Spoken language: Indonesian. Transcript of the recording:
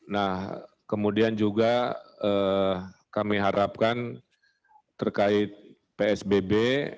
nah kemudian juga kami harapkan terkait psbb